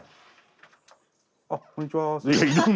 あこんにちは。